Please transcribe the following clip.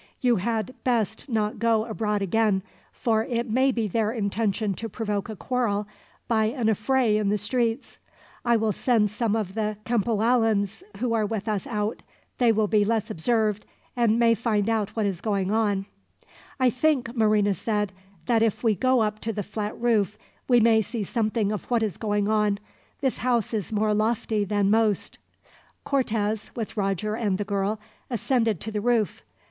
You had best not go abroad again, for it may be their intention to provoke a quarrel, by an affray in the streets. I will send some of the Cempoallans who are with us out. They will be less observed, and may find out what is going on." "I think," Marina said, "that if we go up to the flat roof, we may see something of what is going on. This house is more lofty than most." Cortez, with Roger and the girl, ascended to the roof.